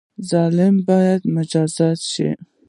ظالم باید مجازات شي